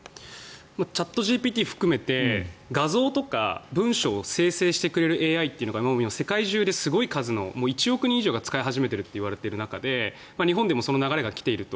チャットＧＰＴ含めて画像とか文章を生成してくれるＡＩというのが世界中ですごい数の１億人以上が使い始めていると言われている中で日本でもその流れが来ていると。